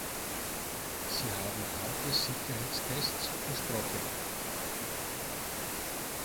Sie haben harte Sicherheitstests versprochen.